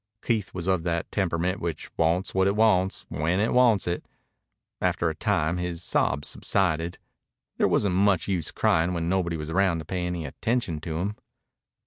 Keith was of that temperament which wants what it wants when it wants it. After a time his sobs subsided. There wasn't much use crying when nobody was around to pay any attention to him.